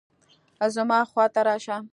زما خوا ته راشه